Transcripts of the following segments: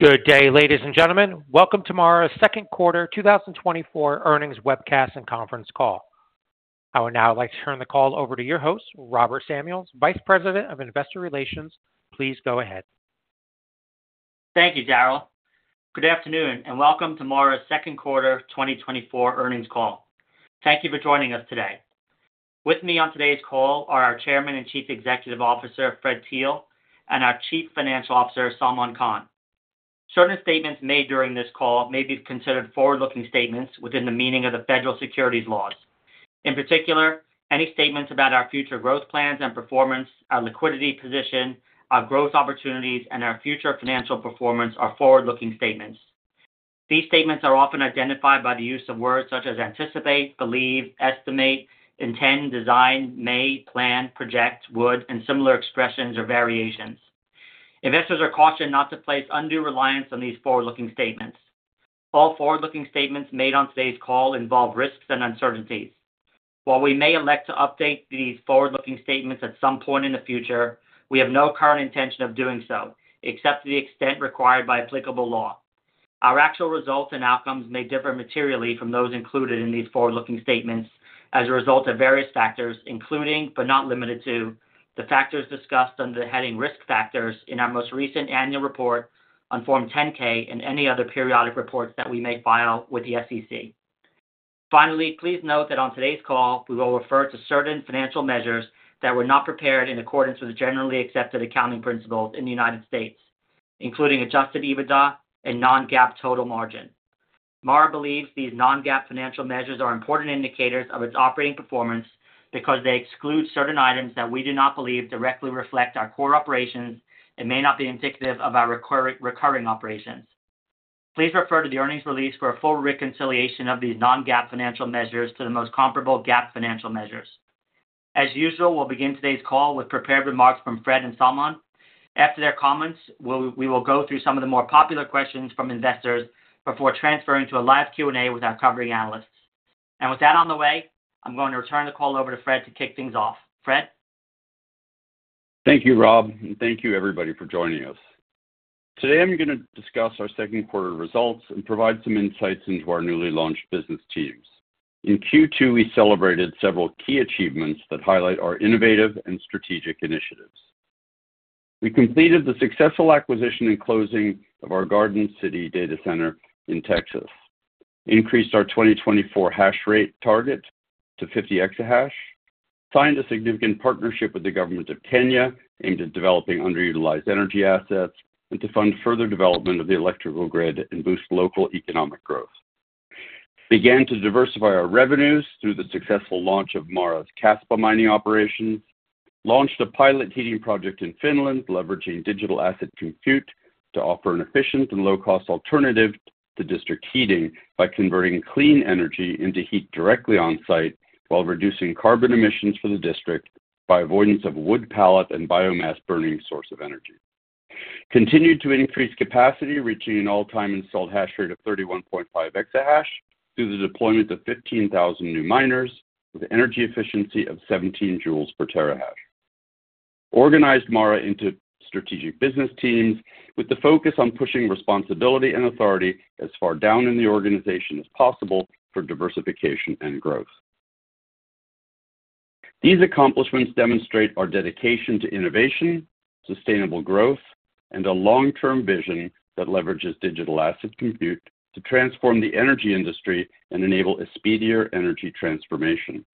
Good day, ladies and gentlemen. Welcome to Mara's second quarter, 2024 earnings webcast and conference call. I would now like to turn the call over to your host, Rob Samuels, Vice President of Investor Relations. Please go ahead. Thank you, Daryl. Good afternoon, and welcome to Mara's second quarter 2024 earnings call. Thank you for joining us today. With me on today's call are our Chairman and Chief Executive Officer, Fred Thiel, and our Chief Financial Officer, Salman Khan. Certain statements made during this call may be considered forward-looking statements within the meaning of the federal securities laws. In particular, any statements about our future growth plans and performance, our liquidity position, our growth opportunities, and our future financial performance are forward-looking statements. These statements are often identified by the use of words such as anticipate, believe, estimate, intend, design, may, plan, project, would, and similar expressions or variations. Investors are cautioned not to place undue reliance on these forward-looking statements. All forward-looking statements made on today's call involve risks and uncertainties. While we may elect to update these forward-looking statements at some point in the future, we have no current intention of doing so, except to the extent required by applicable law. Our actual results and outcomes may differ materially from those included in these forward-looking statements as a result of various factors, including, but not limited to, the factors discussed under the heading risk factors in our most recent annual report on Form 10-K and any other periodic reports that we may file with the SEC. Finally, please note that on today's call, we will refer to certain financial measures that were not prepared in accordance with the generally accepted accounting principles in the United States, including adjusted EBITDA and non-GAAP total margin. Mara believes these non-GAAP financial measures are important indicators of its operating performance because they exclude certain items that we do not believe directly reflect our core operations and may not be indicative of our recurring operations. Please refer to the earnings release for a full reconciliation of these non-GAAP financial measures to the most comparable GAAP financial measures. As usual, we'll begin today's call with prepared remarks from Fred and Salman. After their comments, we will go through some of the more popular questions from investors before transferring to a live Q&A with our covering analysts. With that on the way, I'm going to return the call over to Fred to kick things off. Fred? Thank you, Rob, and thank you everybody for joining us. Today, I'm going to discuss our second quarter results and provide some insights into our newly launched business teams. In Q2, we celebrated several key achievements that highlight our innovative and strategic initiatives. We completed the successful acquisition and closing of our Garden City data center in Texas, increased our 2024 hash rate target to 50 EH, signed a significant partnership with the government of Kenya aimed at developing underutilized energy assets and to fund further development of the electrical grid and boost local economic growth. Began to diversify our revenues through the successful launch of Mara's Kaspa mining operation. Launched a pilot heating project in Finland, leveraging digital asset compute to offer an efficient and low-cost alternative to district heating by converting clean energy into heat directly on-site, while reducing carbon emissions for the district by avoidance of wood pellet and biomass burning source of energy. Continued to increase capacity, reaching an all-time installed hash rate of 31.5 EH through the deployment of 15,000 new miners with an energy efficiency of 17 J per terahash. Organized Mara into strategic business teams with the focus on pushing responsibility and authority as far down in the organization as possible for diversification and growth. These accomplishments demonstrate our dedication to innovation, sustainable growth, and a long-term vision that leverages digital asset compute to transform the energy industry and enable a speedier energy transformation.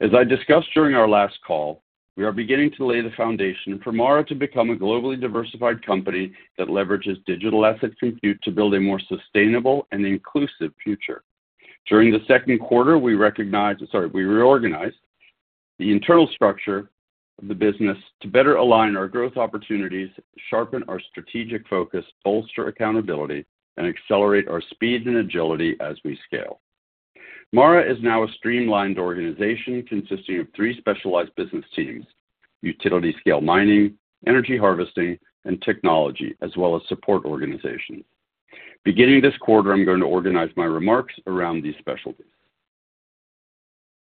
As I discussed during our last call, we are beginning to lay the foundation for Mara to become a globally diversified company that leverages digital asset compute to build a more sustainable and inclusive future. During the second quarter, we recognized... Sorry, we reorganized the internal structure of the business to better align our growth opportunities, sharpen our strategic focus, bolster accountability, and accelerate our speed and agility as we scale. Mara is now a streamlined organization consisting of three specialized business teams: utility scale mining, energy harvesting, and technology, as well as support organizations. Beginning this quarter, I'm going to organize my remarks around these specialties.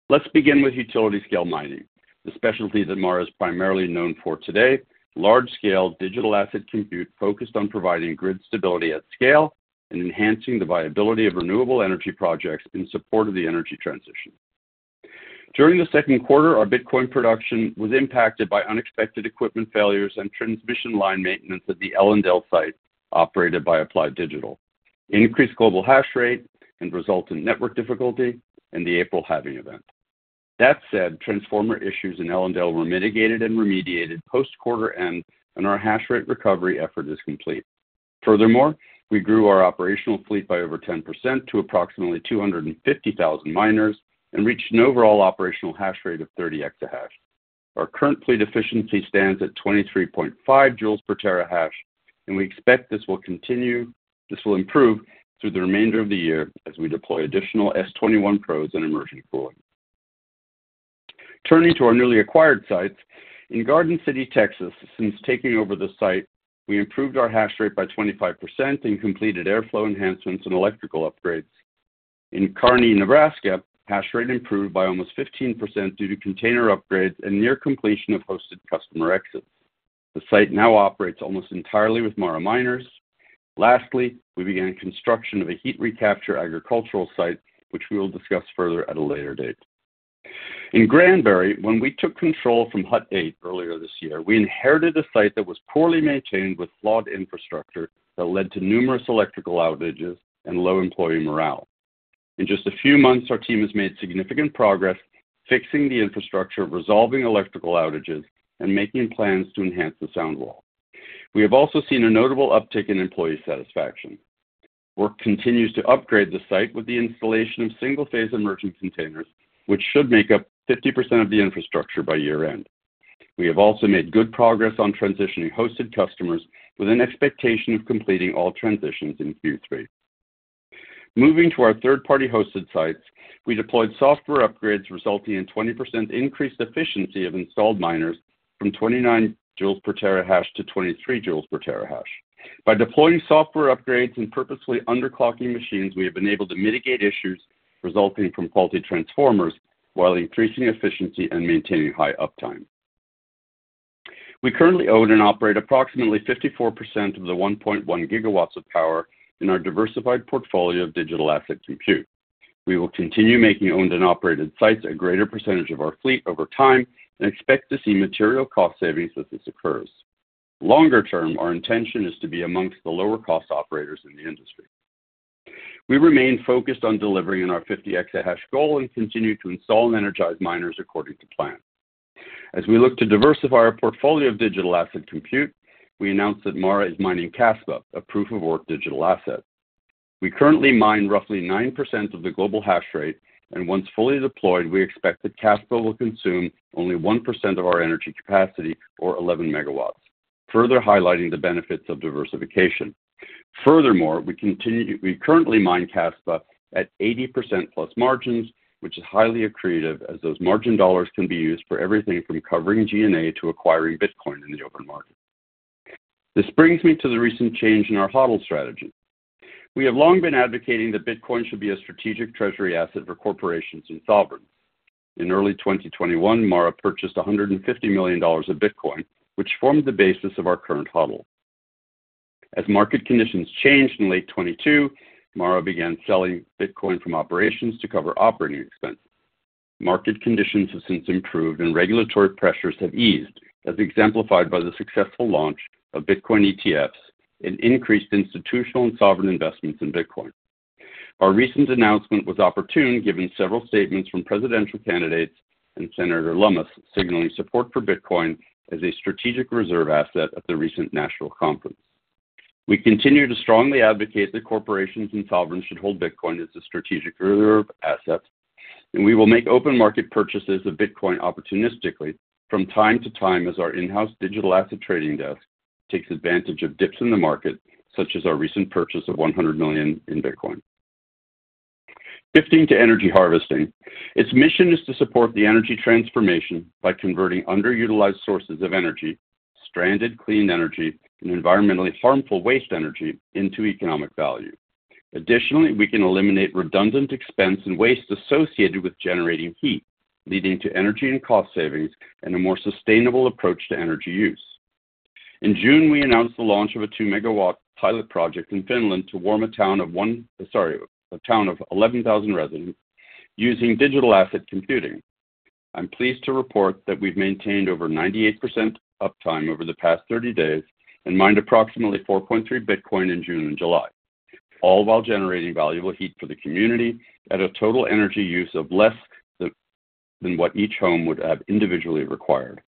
Let's begin with utility scale mining, the specialty that Mara is primarily known for today, large-scale digital asset compute focused on providing grid stability at scale and enhancing the viability of renewable energy projects in support of the energy transition. During the second quarter, our Bitcoin production was impacted by unexpected equipment failures and transmission line maintenance at the Ellendale site, operated by Applied Digital, increased global hash rate, and result in network difficulty in the April halving event. That said, transformer issues in Ellendale were mitigated and remediated post-quarter end, and our hash rate recovery effort is complete. Furthermore, we grew our operational fleet by over 10% to approximately 250,000 miners and reached an overall operational hash rate of 30 EH. Our current fleet efficiency stands at 23.5 J per terahash, and we expect this will continue, this will improve through the remainder of the year as we deploy additional S21 Pros and immersion cooling. Turning to our newly acquired sites. In Garden City, Texas, since taking over the site, we improved our hash rate by 25% and completed airflow enhancements and electrical upgrades. In Kearney, Nebraska, hash rate improved by almost 15% due to container upgrades and near completion of hosted customer exits. The site now operates almost entirely with Mara miners. Lastly, we began construction of a heat recapture agricultural site, which we will discuss further at a later date. In Granbury, when we took control from Hut 8 earlier this year, we inherited a site that was poorly maintained with flawed infrastructure that led to numerous electrical outages and low employee morale. In just a few months, our team has made significant progress, fixing the infrastructure, resolving electrical outages, and making plans to enhance the sound wall. We have also seen a notable uptick in employee satisfaction. Work continues to upgrade the site with the installation of single-phase immersion containers, which should make up 50% of the infrastructure by year-end. We have also made good progress on transitioning hosted customers with an expectation of completing all transitions in Q3. Moving to our third-party hosted sites, we deployed software upgrades, resulting in 20% increased efficiency of installed miners from 29 J per terahash to 23 J per terahash. By deploying software upgrades and purposefully underclocking machines, we have been able to mitigate issues resulting from faulty transformers, while increasing efficiency and maintaining high uptime. We currently own and operate approximately 54% of the 1.1 GW of power in our diversified portfolio of digital asset compute. We will continue making owned and operated sites a greater percentage of our fleet over time and expect to see material cost savings as this occurs. Longer term, our intention is to be among the lower-cost operators in the industry. We remain focused on delivering on our 50 EH goal and continue to install and energize miners according to plan. As we look to diversify our portfolio of digital asset compute, we announced that Mara is mining Kaspa, a proof-of-work digital asset. We currently mine roughly 9% of the global hash rate, and once fully deployed, we expect that Kaspa will consume only 1% of our energy capacity or 11 MW, further highlighting the benefits of diversification. Furthermore, we currently mine Kaspa at 80%+ margins, which is highly accretive, as those margin dollars can be used for everything from covering G&A to acquiring Bitcoin in the open market. This brings me to the recent change in our HODL strategy. We have long been advocating that Bitcoin should be a strategic treasury asset for corporations and sovereigns. In early 2021, Mara purchased $150 million of Bitcoin, which forms the basis of our current HODL. As market conditions changed in late 2022, Mara began selling Bitcoin from operations to cover operating expenses. Market conditions have since improved and regulatory pressures have eased, as exemplified by the successful launch of Bitcoin ETFs and increased institutional and sovereign investments in Bitcoin. Our recent announcement was opportune, given several statements from presidential candidates and Senator Lummis signaling support for Bitcoin as a strategic reserve asset at the recent national conference. We continue to strongly advocate that corporations and sovereigns should hold Bitcoin as a strategic reserve asset, and we will make open market purchases of Bitcoin opportunistically from time to time as our in-house digital asset trading desk takes advantage of dips in the market, such as our recent purchase of $100 million in Bitcoin. Shifting to energy harvesting, its mission is to support the energy transformation by converting underutilized sources of energy, stranded clean energy, and environmentally harmful waste energy into economic value. Additionally, we can eliminate redundant expense and waste associated with generating heat, leading to energy and cost savings and a more sustainable approach to energy use. In June, we announced the launch of a 2 MW pilot project in Finland to warm a town of 11,000 residents using digital asset computing. I'm pleased to report that we've maintained over 98% uptime over the past 30 days and mined approximately 4.3 Bitcoin in June and July, all while generating valuable heat for the community at a total energy use of less than what each home would have individually required.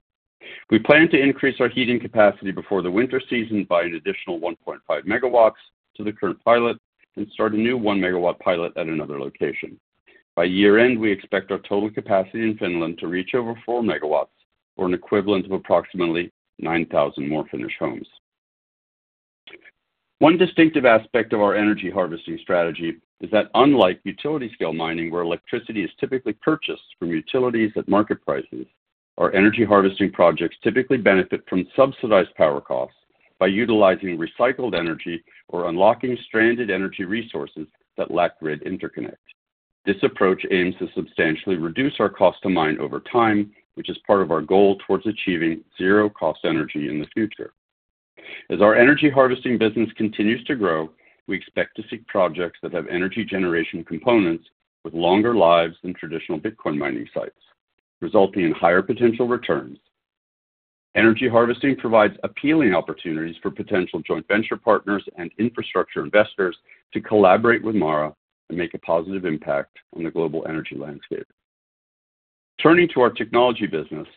We plan to increase our heating capacity before the winter season by an additional 1.5 MW to the current pilot and start a new 1-MW pilot at another location. By year-end, we expect our total capacity in Finland to reach over 4 MW, or an equivalent of approximately 9,000 more Finnish homes. One distinctive aspect of our energy harvesting strategy is that unlike utility-scale mining, where electricity is typically purchased from utilities at market prices, our energy harvesting projects typically benefit from subsidized power costs by utilizing recycled energy or unlocking stranded energy resources that lack grid interconnect. This approach aims to substantially reduce our cost to mine over time, which is part of our goal towards achieving zero cost energy in the future. As our energy harvesting business continues to grow, we expect to seek projects that have energy generation components with longer lives than traditional Bitcoin mining sites, resulting in higher potential returns. Energy harvesting provides appealing opportunities for potential joint venture partners and infrastructure investors to collaborate with Mara and make a positive impact on the global energy landscape. Turning to our technology business,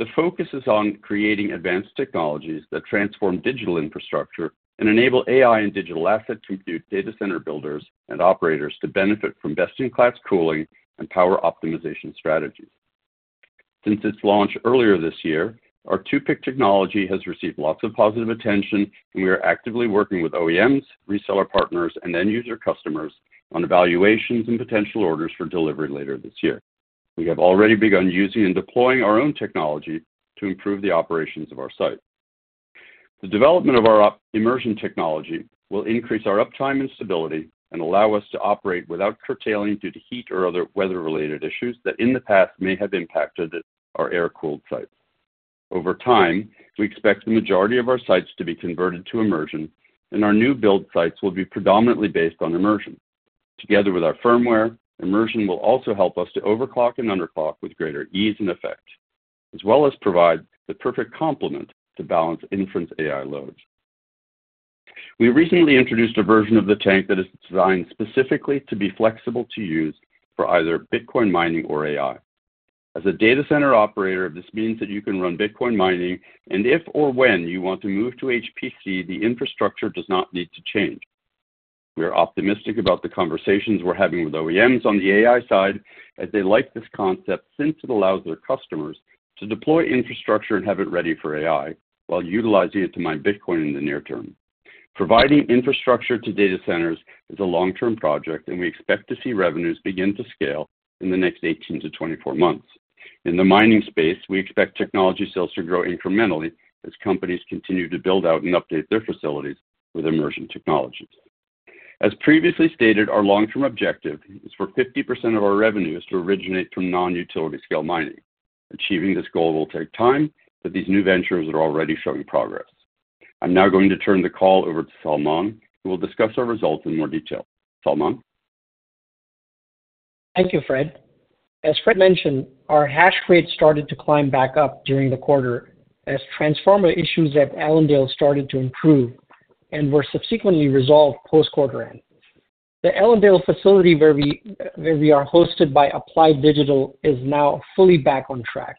the focus is on creating advanced technologies that transform digital infrastructure and enable AI and digital asset compute data center builders and operators to benefit from best-in-class cooling and power optimization strategies. Since its launch earlier this year, our 2PIC technology has received lots of positive attention, and we are actively working with OEMs, reseller partners, and end user customers on evaluations and potential orders for delivery later this year. We have already begun using and deploying our own technology to improve the operations of our site.... The development of our immersion technology will increase our uptime and stability and allow us to operate without curtailing due to heat or other weather-related issues that in the past may have impacted our air-cooled sites. Over time, we expect the majority of our sites to be converted to immersion, and our new build sites will be predominantly based on immersion. Together with our firmware, immersion will also help us to overclock and underclock with greater ease and effect, as well as provide the perfect complement to balance inference AI loads. We recently introduced a version of the tank that is designed specifically to be flexible to use for either Bitcoin mining or AI. As a data center operator, this means that you can run Bitcoin mining, and if or when you want to move to HPC, the infrastructure does not need to change. We are optimistic about the conversations we're having with OEMs on the AI side, as they like this concept since it allows their customers to deploy infrastructure and have it ready for AI while utilizing it to mine Bitcoin in the near term. Providing infrastructure to data centers is a long-term project, and we expect to see revenues begin to scale in the next 18-24 months. In the mining space, we expect technology sales to grow incrementally as companies continue to build out and update their facilities with immersion technologies. As previously stated, our long-term objective is for 50% of our revenues to originate from non-utility scale mining. Achieving this goal will take time, but these new ventures are already showing progress. I'm now going to turn the call over to Salman, who will discuss our results in more detail. Salman? Thank you, Fred. As Fred mentioned, our hash rate started to climb back up during the quarter as transformer issues at Ellendale started to improve and were subsequently resolved post-quarter end. The Ellendale facility, where we are hosted by Applied Digital, is now fully back on track.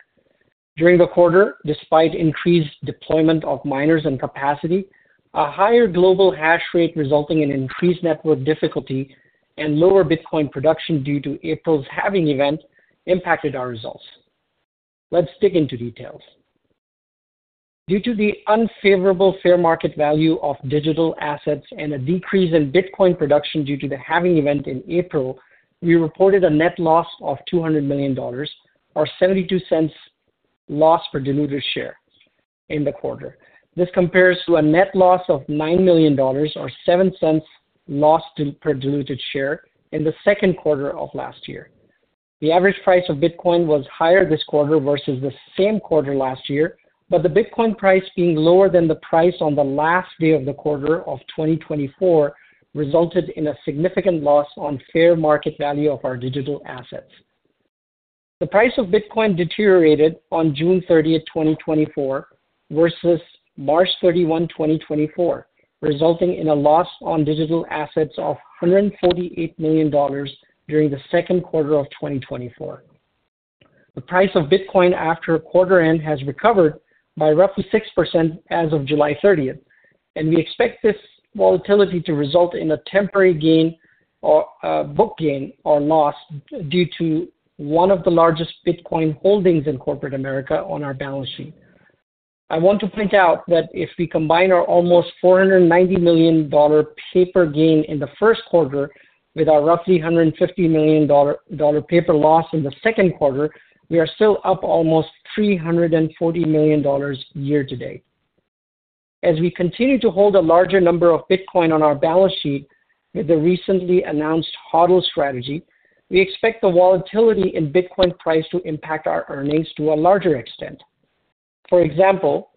During the quarter, despite increased deployment of miners and capacity, a higher global hash rate resulting in increased network difficulty and lower Bitcoin production due to April's halving event impacted our results. Let's dig into details. Due to the unfavorable fair market value of digital assets and a decrease in Bitcoin production due to the halving event in April, we reported a net loss of $200 million or $0.72 loss per diluted share in the quarter. This compares to a net loss of $9 million or $0.07 loss per diluted share in the second quarter of last year. The average price of Bitcoin was higher this quarter versus the same quarter last year, but the Bitcoin price being lower than the price on the last day of the quarter of 2024 resulted in a significant loss on fair market value of our digital assets. The price of Bitcoin deteriorated on June 30, 2024, versus March 31, 2024, resulting in a loss on digital assets of $148 million during the second quarter of 2024. The price of Bitcoin after quarter end has recovered by roughly 6% as of July thirtieth, and we expect this volatility to result in a temporary gain or book gain or loss due to one of the largest Bitcoin holdings in corporate America on our balance sheet. I want to point out that if we combine our almost $490 million paper gain in the first quarter with our roughly $150 million paper loss in the second quarter, we are still up almost $340 million year to date. As we continue to hold a larger number of Bitcoin on our balance sheet with the recently announced HODL strategy, we expect the volatility in Bitcoin price to impact our earnings to a larger extent. For example,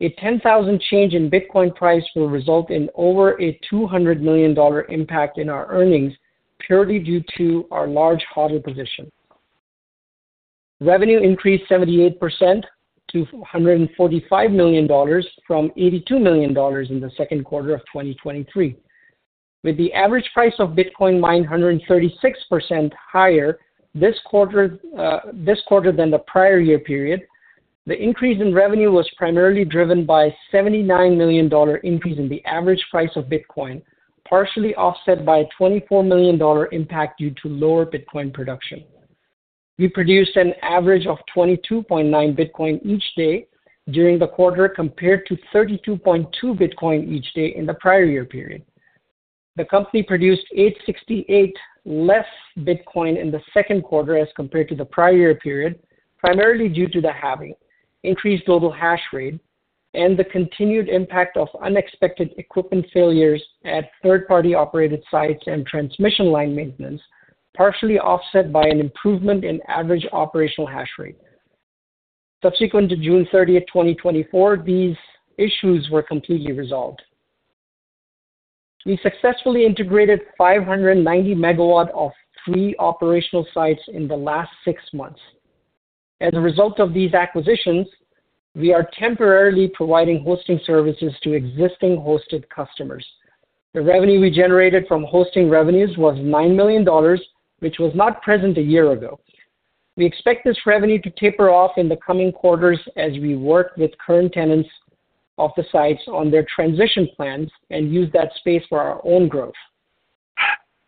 a $10,000 change in Bitcoin price will result in over a $200 million impact in our earnings, purely due to our large HODL position. Revenue increased 78% to $145 million from $82 million in the second quarter of 2023. With the average price of Bitcoin mined 136% higher this quarter than the prior year period, the increase in revenue was primarily driven by $79 million increase in the average price of Bitcoin, partially offset by a $24 million impact due to lower Bitcoin production. We produced an average of 22.9 Bitcoin each day during the quarter, compared to 32.2 Bitcoin each day in the prior year period. The company produced 868 less Bitcoin in the second quarter as compared to the prior year period, primarily due to the halving, increased global hash rate, and the continued impact of unexpected equipment failures at third-party-operated sites and transmission line maintenance, partially offset by an improvement in average operational hash rate. Subsequent to June 30, 2024, these issues were completely resolved. We successfully integrated 590 MW of three operational sites in the last six months. As a result of these acquisitions, we are temporarily providing hosting services to existing hosted customers. The revenue we generated from hosting revenues was $9 million, which was not present a year ago. We expect this revenue to taper off in the coming quarters as we work with current tenants of the sites on their transition plans and use that space for our own growth.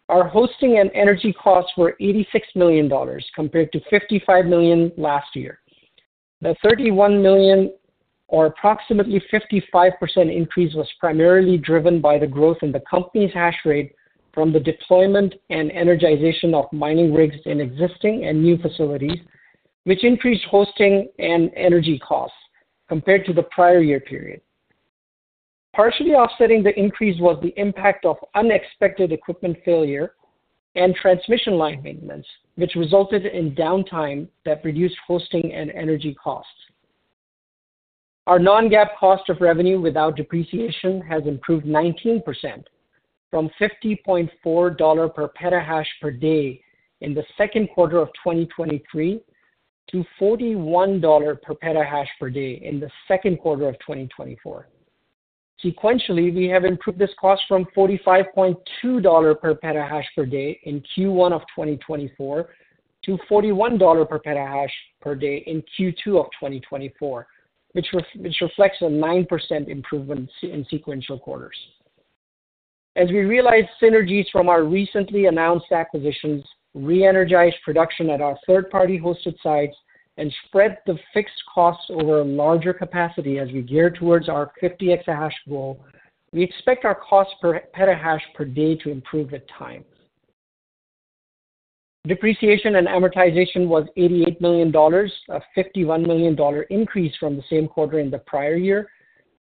Our hosting and energy costs were $86 million, compared to $55 million last year. The $31 million or approximately 55% increase was primarily driven by the growth in the company's hash rate from the deployment and energization of mining rigs in existing and new facilities, which increased hosting and energy costs compared to the prior year period. Partially offsetting the increase was the impact of unexpected equipment failure and transmission line maintenance, which resulted in downtime that reduced hosting and energy costs. Our non-GAAP cost of revenue without depreciation has improved 19% from $50.4 per petahash per day in the second quarter of 2023, to $41 per petahash per day in the second quarter of 2024. Sequentially, we have improved this cost from $45.2 per petahash per day in Q1 of 2024, to $41 per petahash per day in Q2 of 2024, which reflects a 9% improvement in sequential quarters. As we realize synergies from our recently announced acquisitions, reenergize production at our third-party hosted sites, and spread the fixed costs over a larger capacity as we gear towards our 50 EH goal, we expect our cost per petahash per day to improve with time. Depreciation and amortization was $88 million, a $51 million increase from the same quarter in the prior year.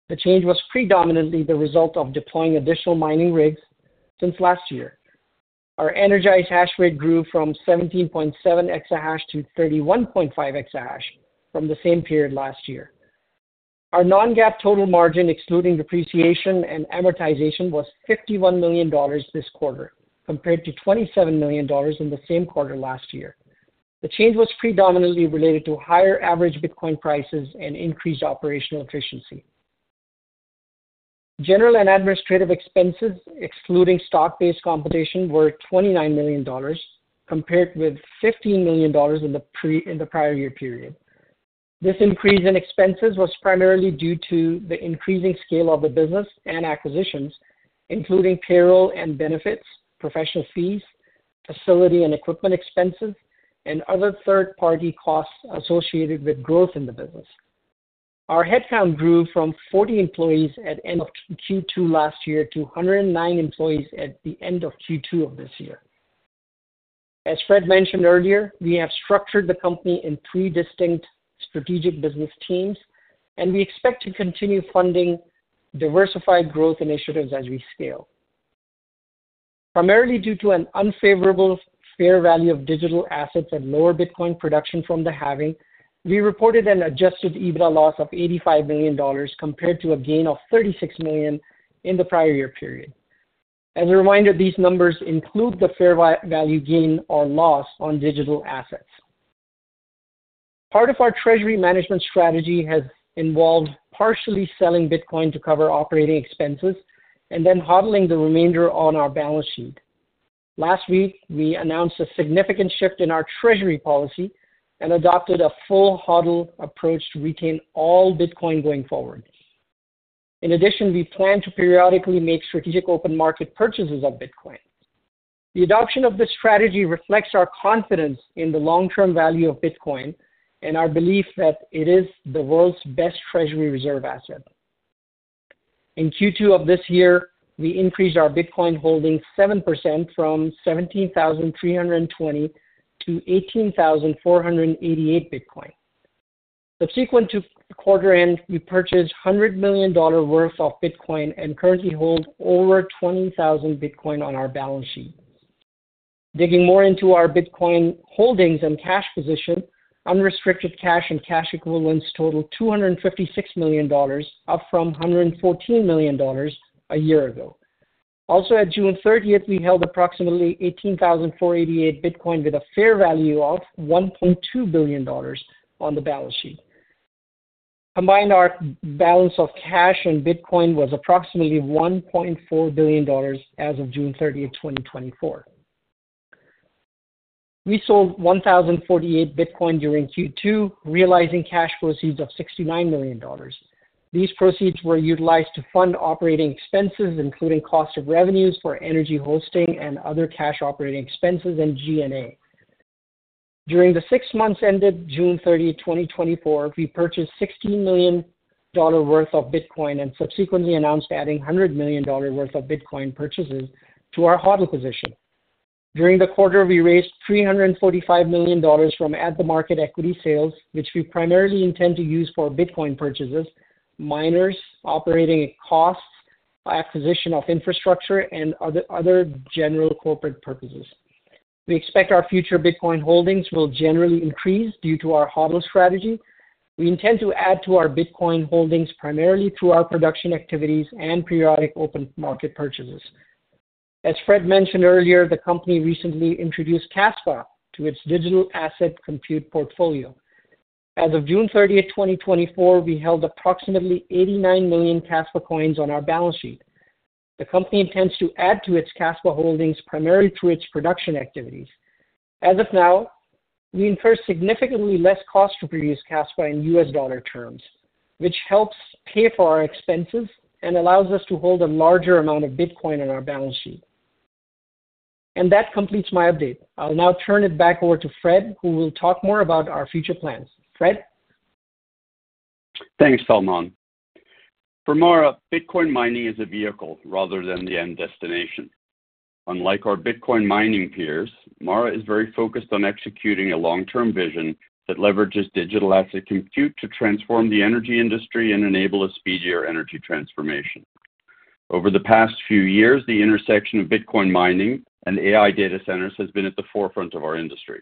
The change was predominantly the result of deploying additional mining rigs since last year. Our energized hash rate grew from 17.7 EH to 31.5 EH from the same period last year. Our Non-GAAP total margin, excluding depreciation and amortization, was $51 million this quarter, compared to $27 million in the same quarter last year. The change was predominantly related to higher average Bitcoin prices and increased operational efficiency. General and administrative expenses, excluding stock-based compensation, were $29 million, compared with $15 million in the prior year period. This increase in expenses was primarily due to the increasing scale of the business and acquisitions, including payroll and benefits, professional fees, facility and equipment expenses, and other third-party costs associated with growth in the business. Our headcount grew from 40 employees at end of Q2 last year to 109 employees at the end of Q2 of this year. As Fred mentioned earlier, we have structured the company in three distinct strategic business teams, and we expect to continue funding diversified growth initiatives as we scale. Primarily due to an unfavorable fair value of digital assets and lower Bitcoin production from the halving, we reported an adjusted EBITDA loss of $85 million compared to a gain of $36 million in the prior year period. As a reminder, these numbers include the fair value gain or loss on digital assets. Part of our treasury management strategy has involved partially selling Bitcoin to cover operating expenses and then HODLing the remainder on our balance sheet. Last week, we announced a significant shift in our treasury policy and adopted a full HODL approach to retain all Bitcoin going forward. In addition, we plan to periodically make strategic open market purchases of Bitcoin. The adoption of this strategy reflects our confidence in the long-term value of Bitcoin and our belief that it is the world's best treasury reserve asset. In Q2 of this year, we increased our Bitcoin holdings 7% from 17,320 to 18,488 Bitcoin. Subsequent to quarter end, we purchased $100 million worth of Bitcoin and currently hold over 20,000 Bitcoin on our balance sheet. Digging more into our Bitcoin holdings and cash position, unrestricted cash and cash equivalents totaled $256 million, up from $114 million a year ago. Also, at June 30, we held approximately 18,488 Bitcoin, with a fair value of $1.2 billion on the balance sheet. Combined, our balance of cash and Bitcoin was approximately $1.4 billion as of June 30, 2024. We sold 1,048 Bitcoin during Q2, realizing cash proceeds of $69 million. These proceeds were utilized to fund operating expenses, including cost of revenues for energy hosting and other cash operating expenses and G&A. During the six months ended June 30, 2024, we purchased $16 million worth of Bitcoin and subsequently announced adding $100 million worth of Bitcoin purchases to our HODL position. During the quarter, we raised $345 million from at-the-market equity sales, which we primarily intend to use for Bitcoin purchases, miners, operating costs, acquisition of infrastructure, and other general corporate purposes. We expect our future Bitcoin holdings will generally increase due to our HODL strategy. We intend to add to our Bitcoin holdings primarily through our production activities and periodic open market purchases. As Fred mentioned earlier, the company recently introduced Kaspa to its digital asset compute portfolio. As of June 30, 2024, we held approximately 89 million Kaspa coins on our balance sheet. The company intends to add to its Kaspa holdings primarily through its production activities. As of now, we incur significantly less cost to produce Kaspa in US dollar terms, which helps pay for our expenses and allows us to hold a larger amount of Bitcoin on our balance sheet. That completes my update. I'll now turn it back over to Fred, who will talk more about our future plans. Fred? Thanks, Salman. For Mara, Bitcoin mining is a vehicle rather than the end destination. Unlike our Bitcoin mining peers, Mara is very focused on executing a long-term vision that leverages digital asset compute to transform the energy industry and enable a speedier energy transformation. Over the past few years, the intersection of Bitcoin mining and AI data centers has been at the forefront of our industry.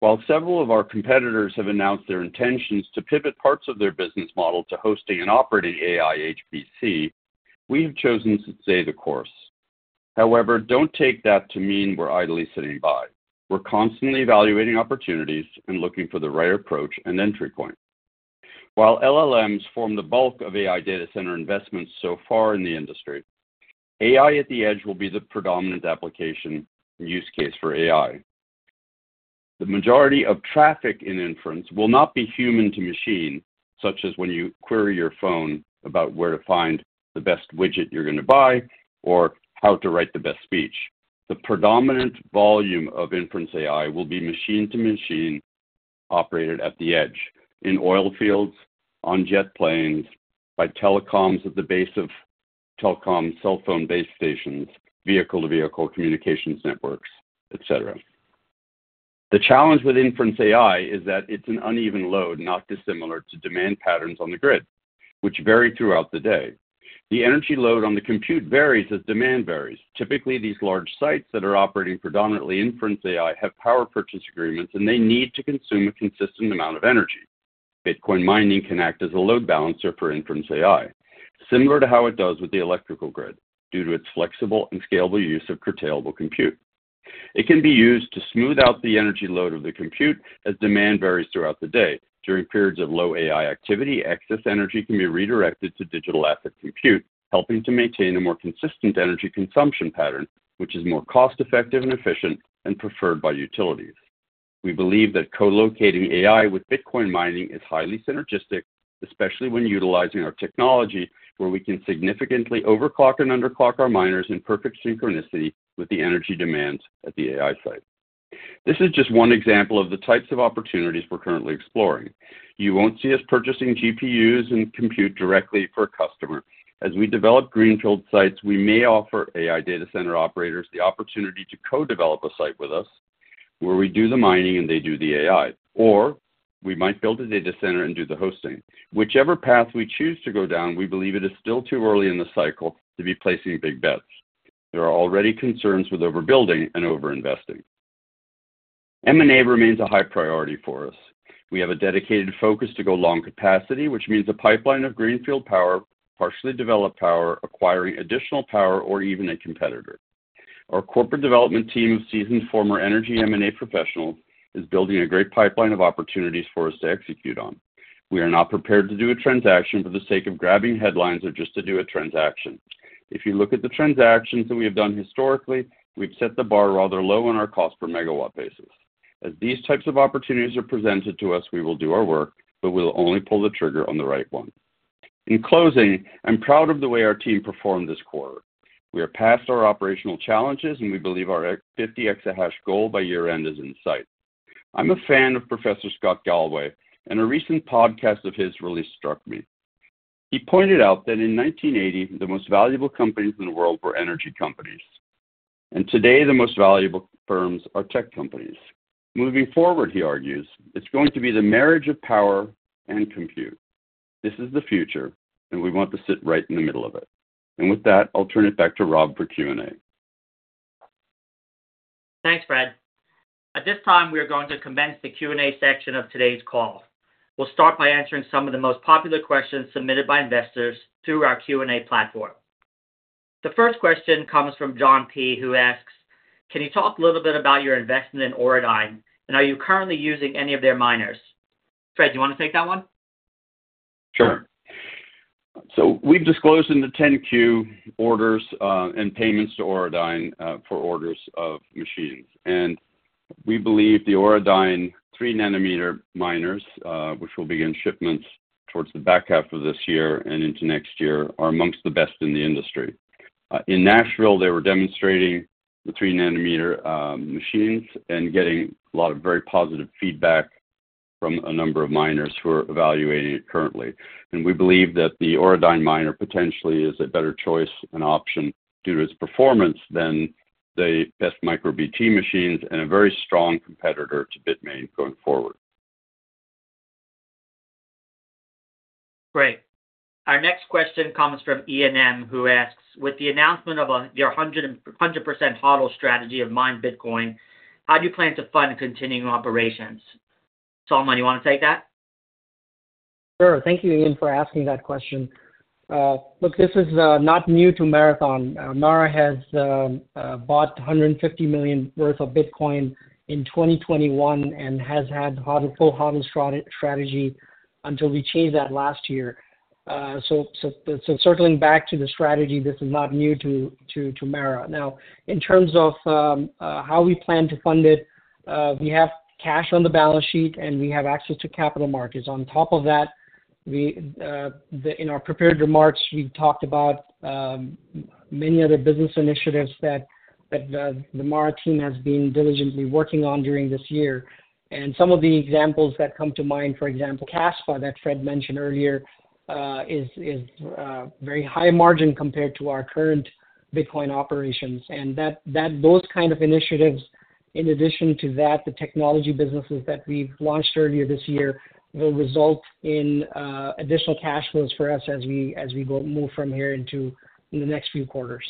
While several of our competitors have announced their intentions to pivot parts of their business model to hosting and operating AI HPC, we have chosen to stay the course. However, don't take that to mean we're idly sitting by. We're constantly evaluating opportunities and looking for the right approach and entry point. While LLMs form the bulk of AI data center investments so far in the industry, AI at the edge will be the predominant application and use case for AI. The majority of traffic in inference will not be human to machine, such as when you query your phone about where to find the best widget you're going to buy, or how to write the best speech. The predominant volume of inference AI will be machine to machine, operated at the edge, in oil fields, on jet planes, by telecoms at the base of telecom, cell phone base stations, vehicle-to-vehicle communications networks, et cetera. The challenge with inference AI is that it's an uneven load, not dissimilar to demand patterns on the grid, which vary throughout the day. The energy load on the compute varies as demand varies. Typically, these large sites that are operating predominantly inference AI have power purchase agreements, and they need to consume a consistent amount of energy. Bitcoin mining can act as a load balancer for inference AI, similar to how it does with the electrical grid, due to its flexible and scalable use of curtailable compute. It can be used to smooth out the energy load of the compute as demand varies throughout the day. During periods of low AI activity, excess energy can be redirected to digital asset compute, helping to maintain a more consistent energy consumption pattern, which is more cost-effective and efficient, and preferred by utilities. We believe that co-locating AI with Bitcoin mining is highly synergistic, especially when utilizing our technology, where we can significantly overclock and underclock our miners in perfect synchronicity with the energy demands at the AI site. This is just one example of the types of opportunities we're currently exploring. You won't see us purchasing GPUs and compute directly for a customer. As we develop greenfield sites, we may offer AI data center operators the opportunity to co-develop a site with us, where we do the mining and they do the AI, or we might build a data center and do the hosting. Whichever path we choose to go down, we believe it is still too early in the cycle to be placing big bets. There are already concerns with overbuilding and overinvesting. M&A remains a high priority for us. We have a dedicated focus to go long capacity, which means a pipeline of greenfield power, partially developed power, acquiring additional power, or even a competitor. Our corporate development team of seasoned former energy M&A professionals is building a great pipeline of opportunities for us to execute on. We are not prepared to do a transaction for the sake of grabbing headlines or just to do a transaction. If you look at the transactions that we have done historically, we've set the bar rather low on our cost per megawatt basis. As these types of opportunities are presented to us, we will do our work, but we'll only pull the trigger on the right one. In closing, I'm proud of the way our team performed this quarter. We are past our operational challenges, and we believe our 50 EH goal by year-end is in sight. I'm a fan of Professor Scott Galloway, and a recent podcast of his really struck me. He pointed out that in 1980, the most valuable companies in the world were energy companies, and today, the most valuable firms are tech companies. "Moving forward," he argues, "it's going to be the marriage of power and compute." This is the future, and we want to sit right in the middle of it. With that, I'll turn it back to Rob for Q&A. Thanks, Fred. At this time, we are going to commence the Q&A section of today's call. We'll start by answering some of the most popular questions submitted by investors through our Q&A platform. The first question comes from John P, who asks: Can you talk a little bit about your investment in Auradine, and are you currently using any of their miners? Fred, do you want to take that one? Sure. So we've disclosed in the 10-Q orders and payments to Auradine for orders of machines. And we believe the Auradine 3 nm miners which will begin shipments towards the back half of this year and into next year are among the best in the industry. In Nashville, they were demonstrating the 3 nm machines and getting a lot of very positive feedback from a number of miners who are evaluating it currently. And we believe that the Auradine miner potentially is a better choice and option due to its performance than the best MicroBT machines and a very strong competitor to Bitmain going forward. Great. Our next question comes from Ian M, who asks: With the announcement of your 100% HODL strategy of mined Bitcoin, how do you plan to fund continuing operations? Salman, you want to take that? Sure. Thank you, Ian, for asking that question. Look, this is not new to Marathon. Mara has bought $150 million worth of Bitcoin in 2021 and has had HODL full HODL strategy until we changed that last year. So circling back to the strategy, this is not new to Mara. Now, in terms of how we plan to fund it, we have cash on the balance sheet, and we have access to capital markets. On top of that, in our prepared remarks, we talked about many other business initiatives that the Mara team has been diligently working on during this year. And some of the examples that come to mind, for example, Kaspa, that Fred mentioned earlier, is, is, very high margin compared to our current Bitcoin operations. And that, that, those kind of initiatives, in addition to that, the technology businesses that we've launched earlier this year, will result in, additional cash flows for us as we, as we go, move from here into in the next few quarters.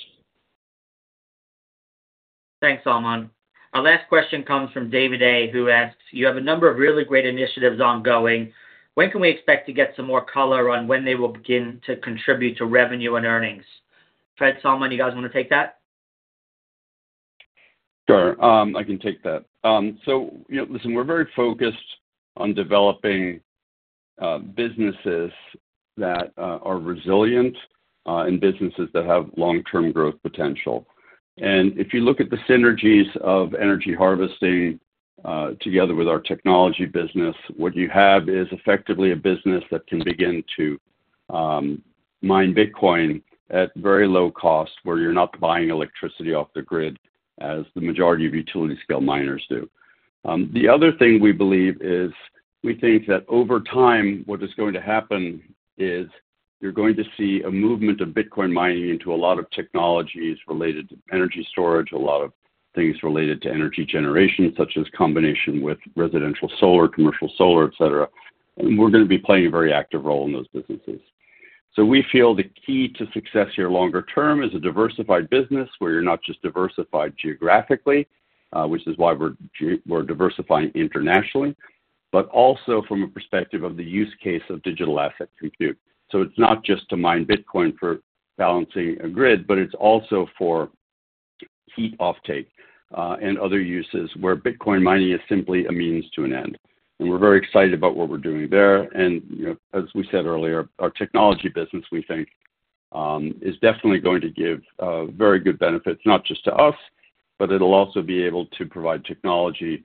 Thanks, Salman. Our last question comes from David A, who asks: You have a number of really great initiatives ongoing. When can we expect to get some more color on when they will begin to contribute to revenue and earnings? Fred, Salman, do you guys want to take that? Sure. I can take that. So, you know, listen, we're very focused on developing businesses that are resilient, and businesses that have long-term growth potential. And if you look at the synergies of energy harvesting together with our technology business, what you have is effectively a business that can begin to mine Bitcoin at very low cost, where you're not buying electricity off the grid as the majority of utility scale miners do. The other thing we believe is, we think that over time, what is going to happen is you're going to see a movement of Bitcoin mining into a lot of technologies related to energy storage, a lot of things related to energy generation, such as combination with residential solar, commercial solar, et cetera. And we're going to be playing a very active role in those businesses. So we feel the key to success here longer term is a diversified business, where you're not just diversified geographically, which is why we're diversifying internationally, but also from a perspective of the use case of digital asset compute. So it's not just to mine Bitcoin for balancing a grid, but it's also for heat offtake, and other uses where Bitcoin mining is simply a means to an end. And we're very excited about what we're doing there. And, you know, as we said earlier, our technology business, we think, is definitely going to give very good benefits, not just to us, but it'll also be able to provide technology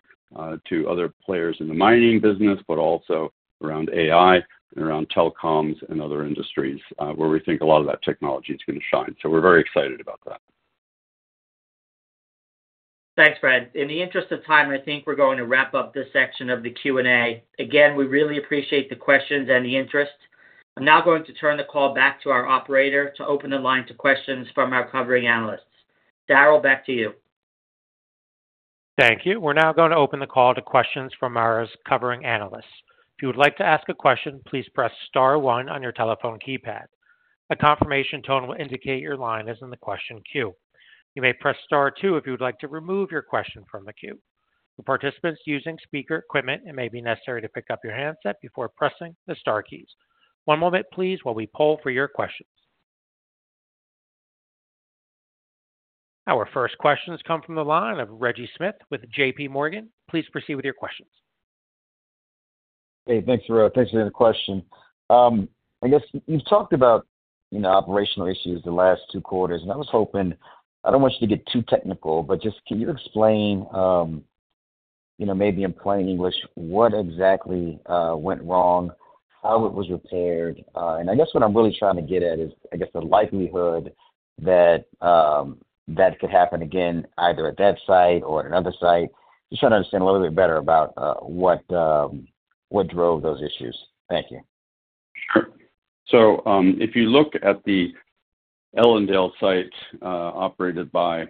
to other players in the mining business, but also around AI and around telecoms and other industries, where we think a lot of that technology is going to shine. We're very excited about that. Thanks, Fred. In the interest of time, I think we're going to wrap up this section of the Q&A. Again, we really appreciate the questions and the interest. I'm now going to turn the call back to our operator to open the line to questions from our covering analysts. Daryl, back to you. Thank you. We're now going to open the call to questions from covering analysts. If you would like to ask a question, please press star one on your telephone keypad. A confirmation tone will indicate your line is in the question queue. You may press star two if you would like to remove your question from the queue. For participants using speaker equipment, it may be necessary to pick up your handset before pressing the star keys. One moment, please, while we poll for your questions. Our first questions come from the line of Reggie Smith with JPMorgan. Please proceed with your questions. Hey, thanks, Ira. Thanks for the question. I guess you've talked about, you know, operational issues the last two quarters, and I was hoping, I don't want you to get too technical, but just can you explain, you know, maybe in plain English, what exactly went wrong, how it was repaired? And I guess what I'm really trying to get at is, I guess, the likelihood that could happen again, either at that site or another site. Just trying to understand a little bit better about what drove those issues. Thank you. Sure. So, if you look at the Ellendale site, operated by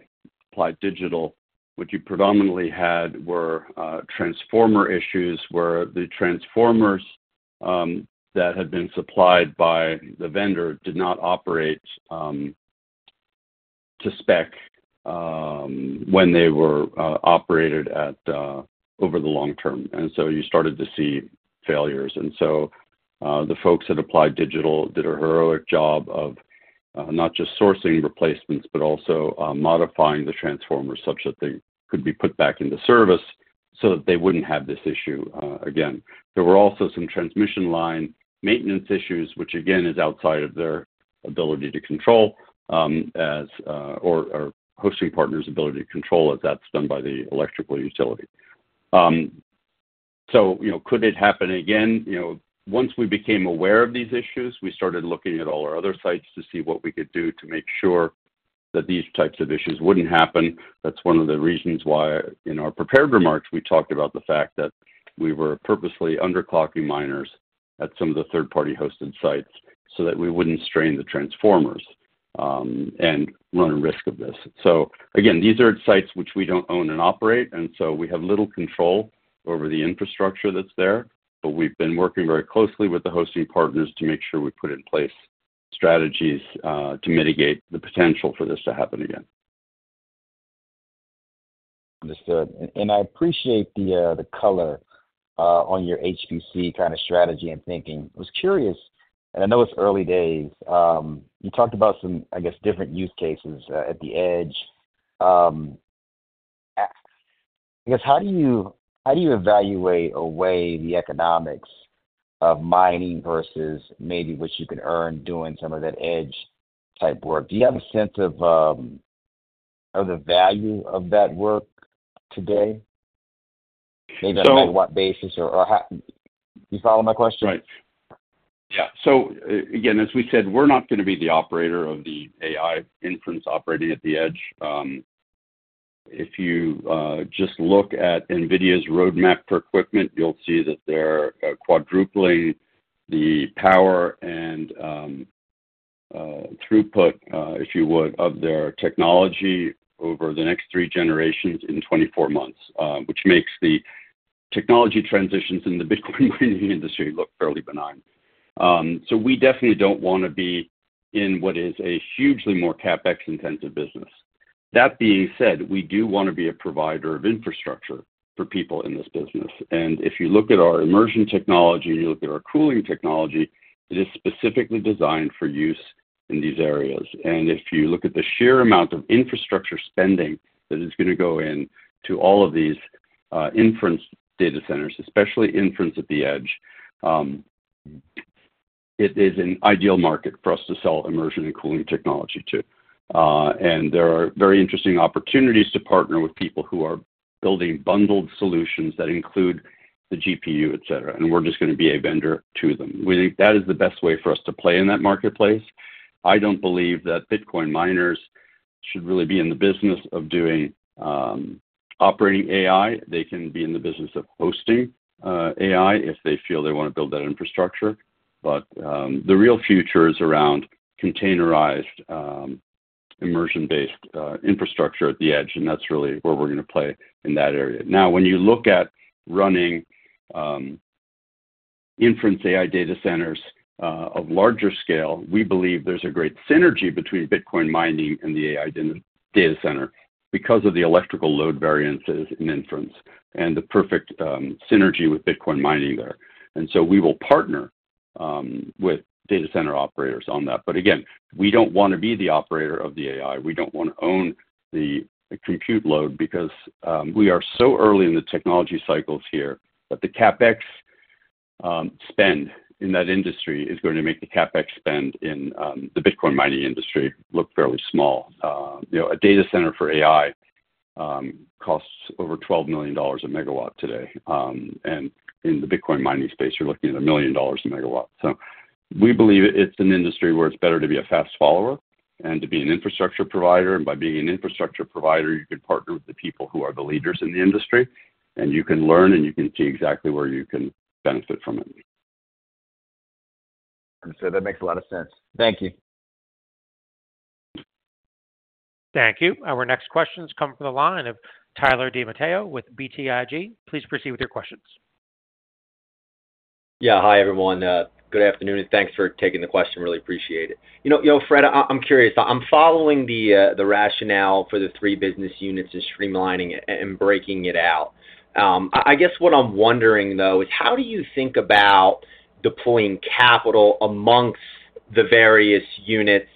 Applied Digital, what you predominantly had were transformer issues, where the transformers that had been supplied by the vendor did not operate to spec when they were operated at over the long term. And so you started to see failures. And so, the folks at Applied Digital did a heroic job of not just sourcing replacements, but also modifying the transformer such that they could be put back into service so that they wouldn't have this issue again. There were also some transmission line maintenance issues, which again is outside of their ability to control or hosting partner's ability to control it. That's done by the electrical utility. So you know, could it happen again? You know, once we became aware of these issues, we started looking at all our other sites to see what we could do to make sure that these types of issues wouldn't happen. That's one of the reasons why, in our prepared remarks, we talked about the fact that we were purposely under clocking miners at some of the third-party hosted sites so that we wouldn't strain the transformers, and run risk of this. So again, these are sites which we don't own and operate, and so we have little control over the infrastructure that's there, but we've been working very closely with the hosting partners to make sure we put in place strategies, to mitigate the potential for this to happen again. Understood. I appreciate the color on your HVC kind of strategy and thinking. I was curious, and I know it's early days. You talked about some, I guess, different use cases at the edge. I guess, how do you evaluate or weigh the economics of mining versus maybe what you can earn doing some of that edge type work? Do you have a sense of the value of that work today? Maybe on what basis or, or how do you follow my question? Right. Yeah. So, again, as we said, we're not going to be the operator of the AI inference operating at the edge. If you just look at NVIDIA's roadmap for equipment, you'll see that they're quadrupling the power and throughput, if you would, of their technology over the next three generations in 24 months, which makes the technology transitions in the Bitcoin mining industry look fairly benign. So we definitely don't want to be in what is a hugely more CapEx-intensive business. That being said, we do want to be a provider of infrastructure for people in this business. And if you look at our immersion technology, you look at our cooling technology, it is specifically designed for use in these areas. And if you look at the sheer amount of infrastructure spending that is going to go in to all of these, inference data centers, especially inference at the edge, it is an ideal market for us to sell immersion and cooling technology to. And there are very interesting opportunities to partner with people who are building bundled solutions that include the GPU, et cetera, and we're just going to be a vendor to them. We think that is the best way for us to play in that marketplace. I don't believe that Bitcoin miners should really be in the business of doing operating AI. They can be in the business of hosting AI, if they feel they want to build that infrastructure. But, the real future is around containerized, immersion-based, infrastructure at the edge, and that's really where we're going to play in that area. Now, when you look at running, inference AI data centers, of larger scale, we believe there's a great synergy between Bitcoin mining and the AI data center because of the electrical load variances in inference and the perfect synergy with Bitcoin mining there. And so we will partner with data center operators on that. But again, we don't want to be the operator of the AI. We don't want to own the compute load because we are so early in the technology cycles here, that the CapEx spend in that industry is going to make the CapEx spend in the Bitcoin mining industry look fairly small. You know, a data center for AI costs over $12 million a megawatt today. And in the Bitcoin mining space, you're looking at $1 million a megawatt. So we believe it's an industry where it's better to be a fast follower and to be an infrastructure provider. And by being an infrastructure provider, you can partner with the people who are the leaders in the industry, and you can learn, and you can see exactly where you can benefit from it. That makes a lot of sense. Thank you. Thank you. Our next question has come from the line of Tyler DiMatteo with BTIG. Please proceed with your questions. Yeah. Hi, everyone. Good afternoon, and thanks for taking the question. Really appreciate it. You know, yo, Fred, I'm curious. I'm following the rationale for the three business units and streamlining it and breaking it out. I guess what I'm wondering, though, is how do you think about deploying capital amongst the various units,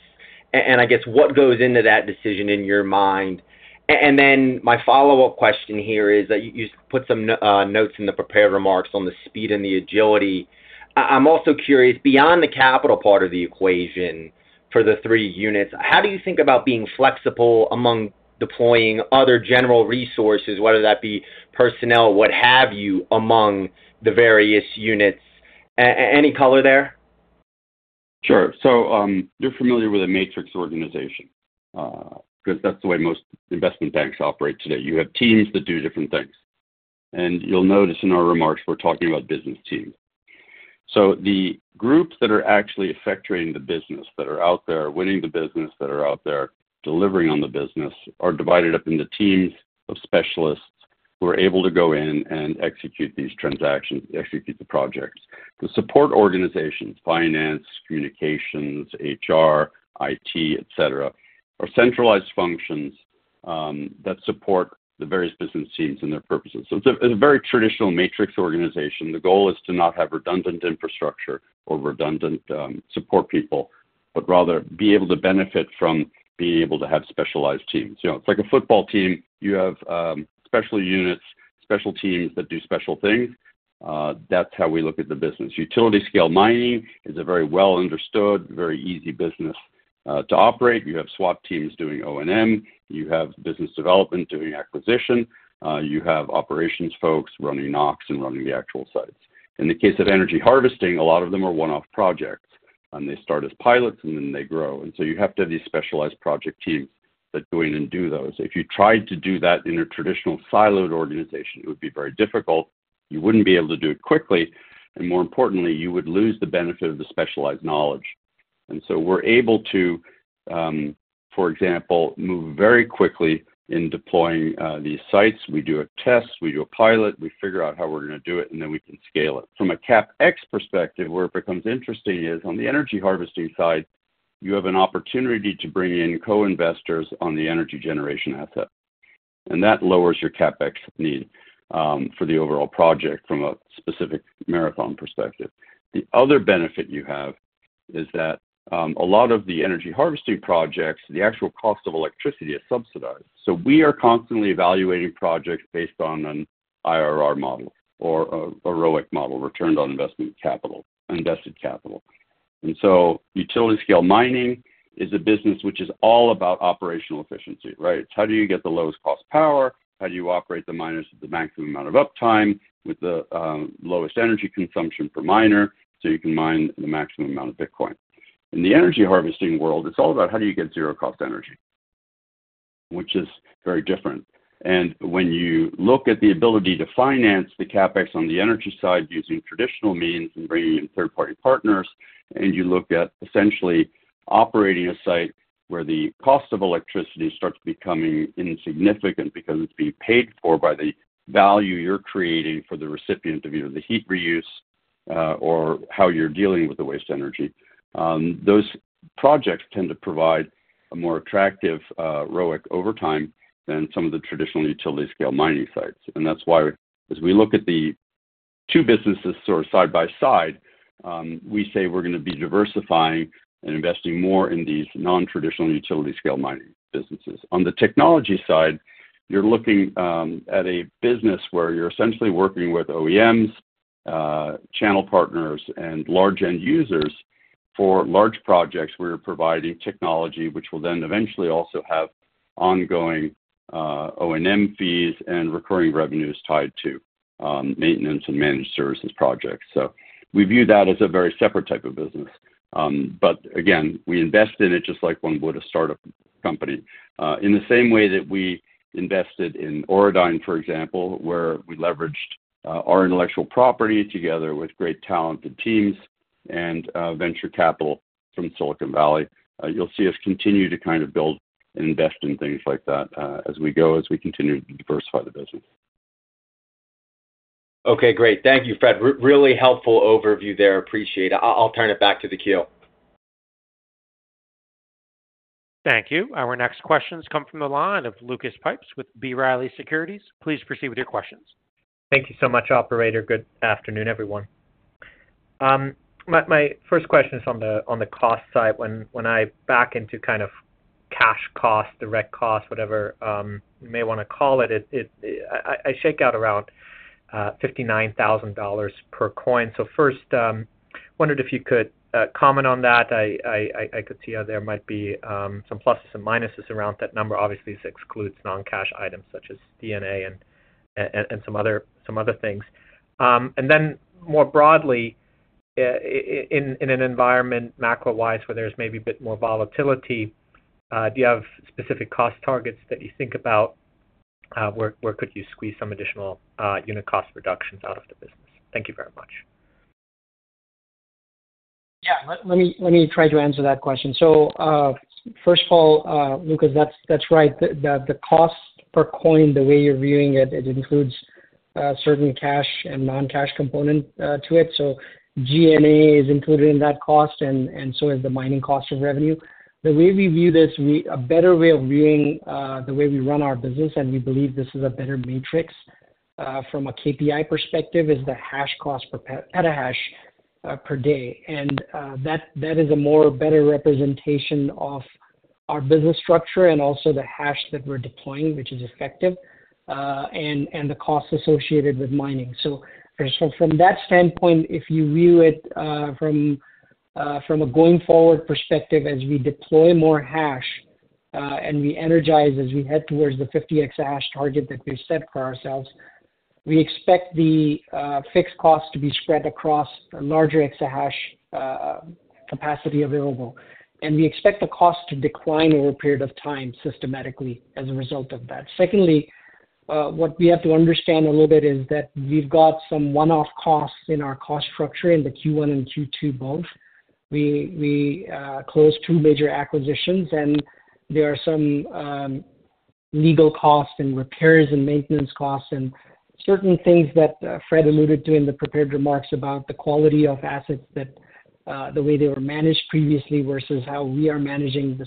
and I guess what goes into that decision in your mind? And then my follow-up question here is that you put some notes in the prepared remarks on the speed and the agility. I'm also curious, beyond the capital part of the equation for the three units, how do you think about being flexible among deploying other general resources, whether that be personnel, what have you, among the various units? Any color there? Sure. So, you're familiar with a matrix organization, because that's the way most investment banks operate today. You have teams that do different things. You'll notice in our remarks, we're talking about business teams. So the groups that are actually effectuating the business, that are out there winning the business, that are out there delivering on the business, are divided up into teams of specialists who are able to go in and execute these transactions, execute the projects. The support organizations, finance, communications, HR, IT, et cetera, are centralized functions, that support the various business teams and their purposes. So it's a, it's a very traditional matrix organization. The goal is to not have redundant infrastructure or redundant, support people, but rather be able to benefit from being able to have specialized teams. You know, it's like a football team. You have special units, special teams that do special things. That's how we look at the business. Utility scale mining is a very well understood, very easy business to operate. You have SWAT teams doing O&M, you have business development doing acquisition, you have operations folks running nodes and running the actual sites. In the case of energy harvesting, a lot of them are one-off projects, and they start as pilots, and then they grow. And so you have to have these specialized project teams that go in and do those. If you tried to do that in a traditional siloed organization, it would be very difficult. You wouldn't be able to do it quickly, and more importantly, you would lose the benefit of the specialized knowledge. And so we're able to, for example, move very quickly in deploying these sites. We do a test, we do a pilot, we figure out how we're going to do it, and then we can scale it. From a CapEx perspective, where it becomes interesting is on the energy harvesting side, you have an opportunity to bring in co-investors on the energy generation asset, and that lowers your CapEx need for the overall project from a specific Marathon perspective. The other benefit you have is that a lot of the energy harvesting projects, the actual cost of electricity is subsidized. So we are constantly evaluating projects based on an IRR model or a ROIC model, returned on investment capital, invested capital. And so utility scale mining is a business which is all about operational efficiency, right? It's how do you get the lowest cost power? How do you operate the miners with the maximum amount of uptime, with the lowest energy consumption per miner, so you can mine the maximum amount of Bitcoin? In the energy harvesting world, it's all about how do you get zero cost energy, which is very different. And when you look at the ability to finance the CapEx on the energy side, using traditional means and bringing in third-party partners, and you look at essentially operating a site where the cost of electricity starts becoming insignificant because it's being paid for by the value you're creating for the recipient of either the heat reuse, or how you're dealing with the waste energy, those projects tend to provide a more attractive ROIC over time than some of the traditional utility scale mining sites. That's why as we look at the two businesses sort of side by side, we say we're gonna be diversifying and investing more in these non-traditional utility scale mining businesses. On the technology side, you're looking at a business where you're essentially working with OEMs, channel partners, and large end users. For large projects, we're providing technology, which will then eventually also have ongoing, O&M fees and recurring revenues tied to maintenance and managed services projects. So we view that as a very separate type of business. But again, we invest in it just like one would a startup company. In the same way that we invested in Auradine, for example, where we leveraged our intellectual property together with great talented teams and venture capital from Silicon Valley. You'll see us continue to kind of build and invest in things like that, as we go, as we continue to diversify the business. Okay, great. Thank you, Fred. Really helpful overview there. Appreciate it. I'll turn it back to the queue. Thank you. Our next questions come from the line of Lucas Pipes with B. Riley Securities. Please proceed with your questions. Thank you so much, operator. Good afternoon, everyone. My first question is on the cost side. When I back into kind of cash cost, direct cost, whatever you may wanna call it, it—I shake out around $59,000 per coin. So first, wondered if you could comment on that. I could see how there might be some pluses and minuses around that number. Obviously, this excludes non-cash items such as D&A and some other things. And then more broadly, I in an environment, macro-wise, where there's maybe a bit more volatility, do you have specific cost targets that you think about? Where could you squeeze some additional unit cost reductions out of the business? Thank you very much. Yeah, let me try to answer that question. So, first of all, Lucas, that's right. The cost per coin, the way you're viewing it, it includes certain cash and non-cash component to it. So G&A is included in that cost, and so is the mining cost of revenue. The way we view this, a better way of viewing the way we run our business, and we believe this is a better metric from a KPI perspective, is the hash cost per petahash per day. And that is a more better representation of our business structure and also the hash that we're deploying, which is effective, and the costs associated with mining. So from that standpoint, if you view it from a going-forward perspective, as we deploy more hash and we energize as we head towards the 50 EH target that we've set for ourselves, we expect the fixed cost to be spread across a larger EH capacity available. And we expect the cost to decline over a period of time, systematically, as a result of that. Secondly, what we have to understand a little bit is that we've got some one-off costs in our cost structure in the Q1 and Q2, both. We closed two major acquisitions, and there are some legal costs and repairs and maintenance costs, and certain things that Fred alluded to in the prepared remarks about the quality of assets that the way they were managed previously versus how we are managing,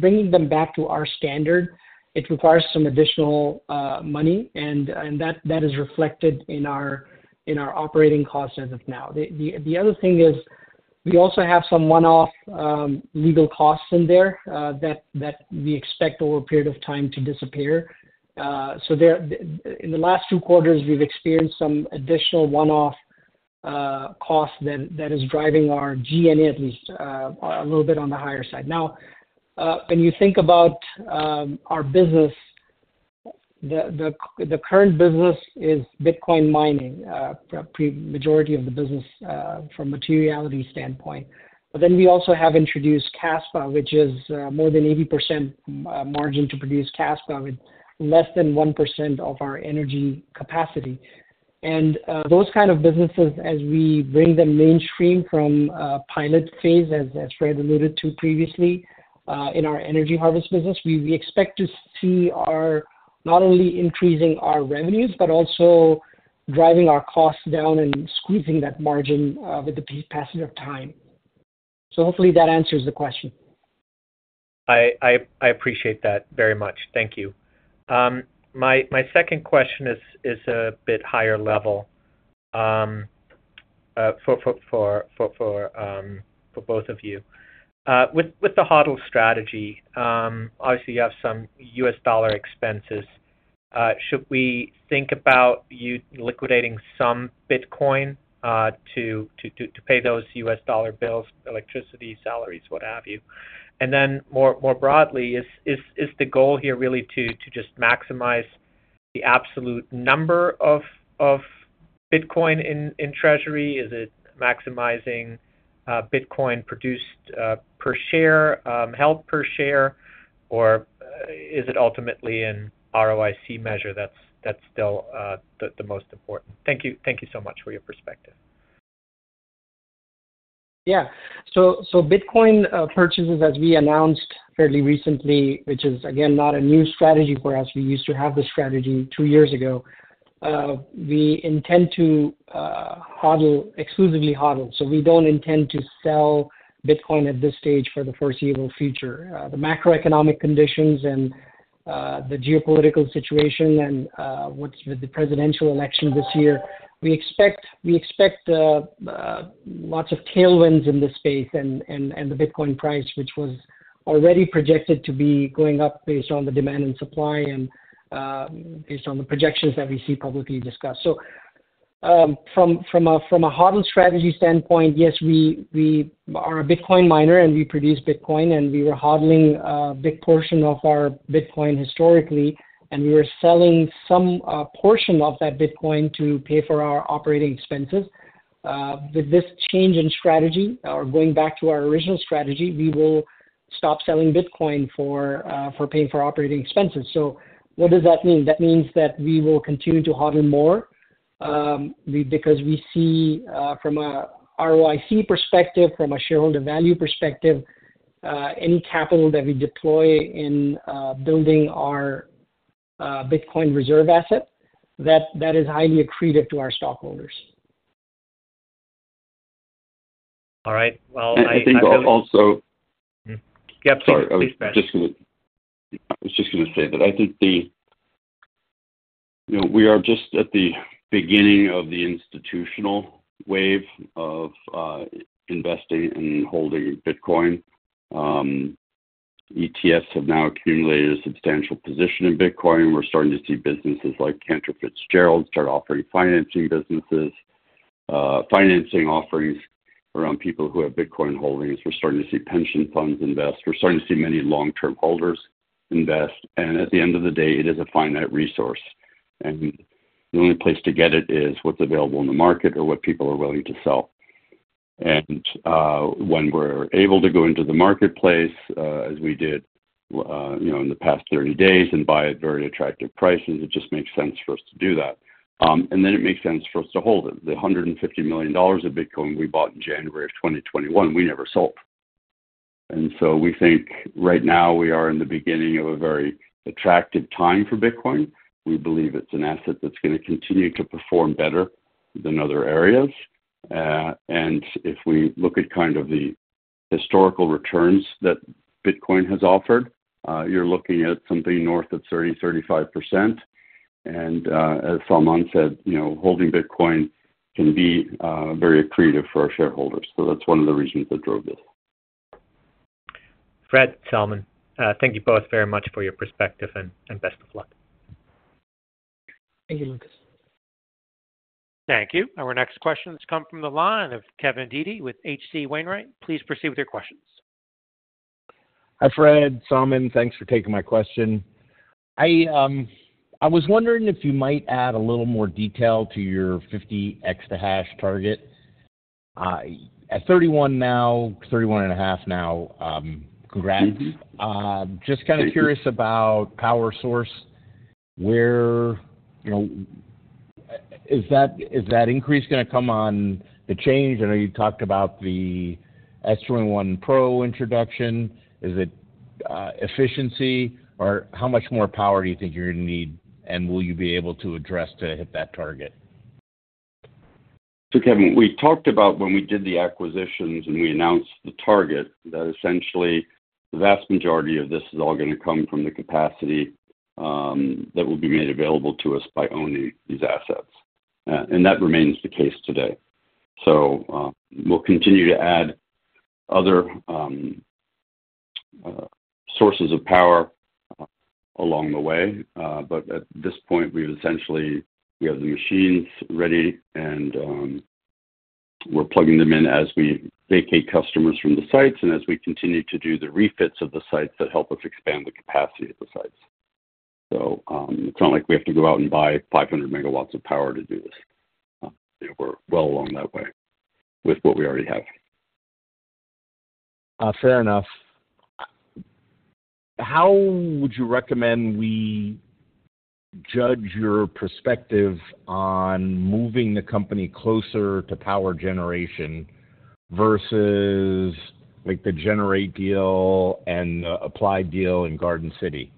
bringing them back to our standard. It requires some additional money, and that is reflected in our operating costs as of now. The other thing is, we also have some one-off legal costs in there that we expect over a period of time to disappear. So there, in the last two quarters, we've experienced some additional one-off cost that is driving our G&A at least a little bit on the higher side. Now, when you think about our business, the current business is Bitcoin mining, primarily the majority of the business from a materiality standpoint. But then we also have introduced Kaspa, which is more than 80% margin to produce Kaspa with less than 1% of our energy capacity. And those kind of businesses, as we bring them mainstream from a pilot phase, as Fred alluded to previously, in our energy harvest business, we expect to see our-- not only increasing our revenues, but also driving our costs down and squeezing that margin with the passage of time. So hopefully that answers the question. I appreciate that very much. Thank you. My second question is a bit higher level for both of you. With the HODL strategy, obviously you have some U.S. dollar expenses. Should we think about you liquidating some Bitcoin to pay those U.S. dollar bills, electricity, salaries, what have you? And then more broadly, is the goal here really to just maximize the absolute number of Bitcoin in treasury? Is it maximizing Bitcoin produced per share held per share, or is it ultimately an ROIC measure that's still the most important? Thank you. Thank you so much for your perspective. Yeah. So Bitcoin purchases, as we announced fairly recently, which is again not a new strategy for us, we used to have this strategy two years ago. We intend to HODL, exclusively HODL, so we don't intend to sell Bitcoin at this stage for the foreseeable future. The macroeconomic conditions and the geopolitical situation and with the presidential election this year, we expect lots of tailwinds in this space and the Bitcoin price, which was already projected to be going up based on the demand and supply and based on the projections that we see publicly discussed. So, from a HODL strategy standpoint, yes, we are a Bitcoin miner, and we produce Bitcoin, and we were HODLing a big portion of our Bitcoin historically, and we were selling some portion of that Bitcoin to pay for our operating expenses. With this change in strategy or going back to our original strategy, we will stop selling Bitcoin for paying for operating expenses. So what does that mean? That means that we will continue to HODL more, we—because we see, from a ROIC perspective, from a shareholder value perspective, any capital that we deploy in building our Bitcoin reserve asset, that is highly accretive to our stockholders. All right. And I think also... Yeah, please, Fred. Sorry, I was just gonna say that I think the... You know, we are just at the beginning of the institutional wave of investing and holding Bitcoin. ETFs have now accumulated a substantial position in Bitcoin. We're starting to see businesses like Cantor Fitzgerald start offering financing businesses, financing offerings around people who have Bitcoin holdings. We're starting to see pension funds invest. We're starting to see many long-term holders invest, and at the end of the day, it is a finite resource, and the only place to get it is what's available in the market or what people are willing to sell. And, when we're able to go into the marketplace, as we did, you know, in the past 30 days and buy at very attractive prices, it just makes sense for us to do that. And then it makes sense for us to hold it. The $150 million of Bitcoin we bought in January 2021, we never sold. And so we think right now we are in the beginning of a very attractive time for Bitcoin. We believe it's an asset that's gonna continue to perform better than other areas. And if we look at kind of the historical returns that Bitcoin has offered, you're looking at something north of 30%-35%. And, as Salman said, you know, holding Bitcoin can be very accretive for our shareholders. So that's one of the reasons that drove this. Fred, Salman, thank you both very much for your perspective, and best of luck. Thank you, Lucas. Thank you. Our next questions come from the line of Kevin Dede with H.C. Wainwright. Please proceed with your questions. Hi, Fred, Salman. Thanks for taking my question. I, I was wondering if you might add a little more detail to your 50 EH target. At 31 now, 31.5 now, just kind of curious about power source, where, you know, is that, is that increase gonna come on the change? I know you talked about the S21 Pro introduction. Is it, efficiency, or how much more power do you think you're gonna need, and will you be able to address to hit that target? So, Kevin, we talked about when we did the acquisitions and we announced the target, that essentially the vast majority of this is all gonna come from the capacity, that will be made available to us by owning these assets. And that remains the case today. So, we'll continue to add other, sources of power, along the way. But at this point, we've essentially. We have the machines ready, and, we're plugging them in as we vacate customers from the sites and as we continue to do the refits of the sites that help us expand the capacity of the sites. So, it's not like we have to go out and buy 500 MW of power to do this. We're well along that way with what we already have. Fair enough. How would you recommend we judge your perspective on moving the company closer to power generation versus, like, the Granbury deal and the Applied deal in Garden City,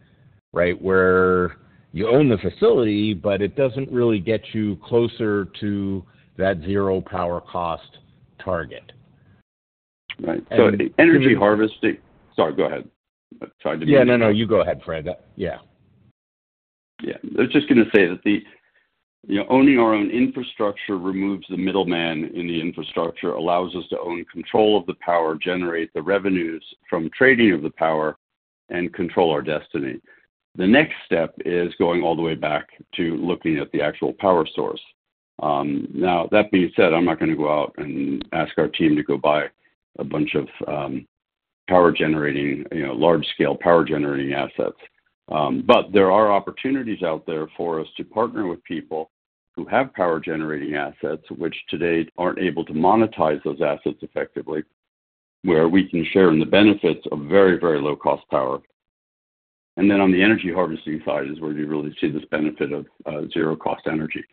right? Where you own the facility, but it doesn't really get you closer to that zero power cost target. Right. And.. So energy harvest... Sorry, go ahead. I tried to be- Yeah, no, no, you go ahead, Fred. Yeah. Yeah, I was just gonna say that. You know, owning our own infrastructure removes the middleman in the infrastructure, allows us to own control of the power, generate the revenues from trading of the power, and control our destiny. The next step is going all the way back to looking at the actual power source. Now, that being said, I'm not going to go out and ask our team to go buy a bunch of, power generating, you know, large-scale power generating assets. But there are opportunities out there for us to partner with people who have power generating assets, which today aren't able to monetize those assets effectively, where we can share in the benefits of very, very low-cost power. And then on the energy harvesting side is where you really see this benefit of, zero-cost energy.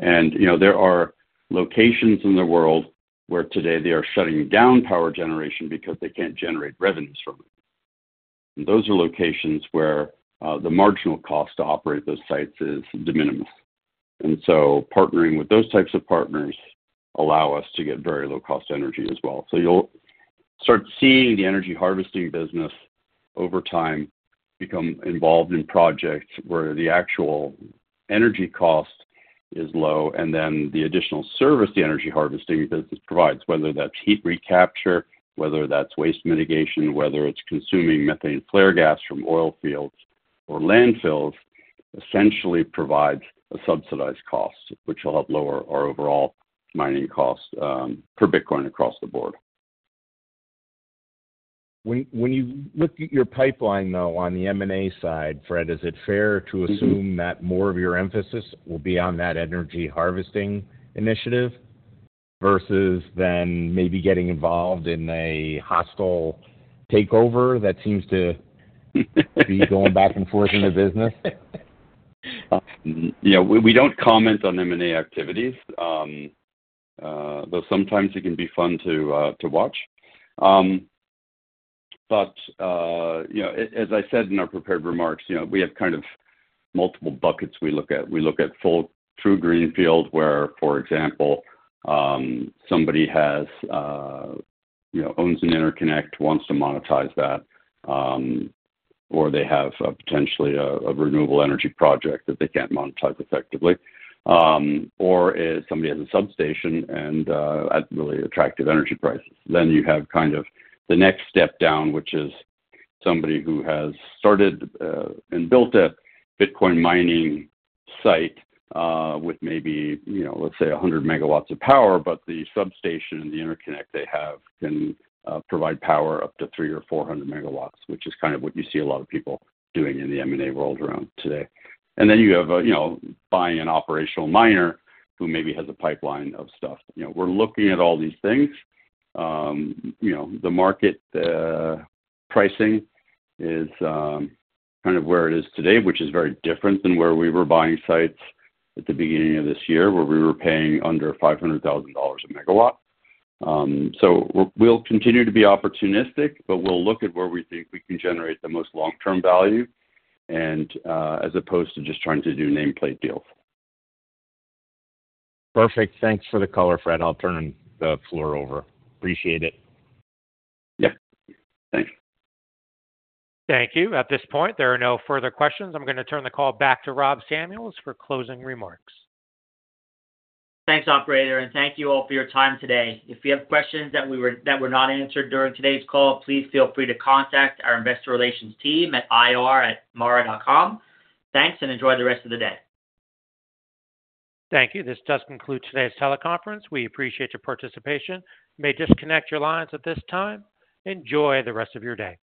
You know, there are locations in the world where today they are shutting down power generation because they can't generate revenues from it. Those are locations where the marginal cost to operate those sites is de minimis. Partnering with those types of partners allows us to get very low-cost energy as well. So you'll start seeing the energy harvesting business over time become involved in projects where the actual energy cost is low, and then the additional service the energy harvesting business provides, whether that's heat recapture, whether that's waste mitigation, whether it's consuming methane flare gas from oil fields or landfills, essentially provides a subsidized cost, which will help lower our overall mining costs per Bitcoin across the board. When you look at your pipeline, though, on the M&A side, Fred, is it fair to assume that more of your emphasis will be on that energy harvesting initiative versus then maybe getting involved in a hostile takeover that seems to be going back and forth in the business? Yeah, we don't comment on M&A activities. Though sometimes it can be fun to watch. But you know, as I said in our prepared remarks, you know, we have kind of multiple buckets we look at. We look at full true greenfield, where, for example, somebody has, you know, owns an interconnect, wants to monetize that, or they have potentially a renewable energy project that they can't monetize effectively, or somebody has a substation and at really attractive energy prices. Then you have kind of the next step down, which is somebody who has started and built a Bitcoin mining site with maybe, you know, let's say, 100 MW of power, but the substation and the interconnect they have can provide power up to 300 MW or 400 MW, which is kind of what you see a lot of people doing in the M&A world around today. And then you have, you know, buying an operational miner who maybe has a pipeline of stuff. You know, we're looking at all these things. You know, the market pricing is kind of where it is today, which is very different than where we were buying sites at the beginning of this year, where we were paying under $500,000 a megawatt. So we'll continue to be opportunistic, but we'll look at where we think we can generate the most long-term value and, as opposed to just trying to do nameplate deals. Perfect. Thanks for the color, Fred. I'll turn the floor over. Appreciate it. Yeah. Thanks. Thank you. At this point, there are no further questions. I'm going to turn the call back to Rob Samuels for closing remarks. Thanks, operator, and thank you all for your time today. If you have questions that were not answered during today's call, please feel free to contact our investor relations team at ir@mara.com. Thanks, and enjoy the rest of the day. Thank you. This does conclude today's teleconference. We appreciate your participation. You may disconnect your lines at this time. Enjoy the rest of your day.